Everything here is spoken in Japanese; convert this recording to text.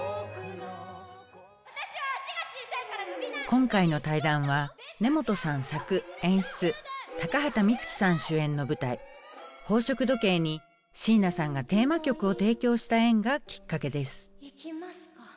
今回の対談は根本さん作・演出高畑充希さん主演の舞台「宝飾時計」に椎名さんがテーマ曲を提供した縁がきっかけです。